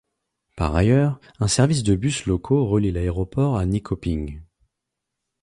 Par ailleurs, un service de bus locaux relie l’aéroport à Nyköping.